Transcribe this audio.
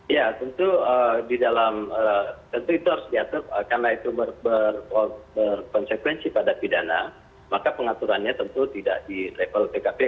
ya tentu di dalam tentu itu harus diatur karena itu berkonsekuensi pada pidana maka pengaturannya tentu tidak di level pkpu